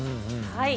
はい。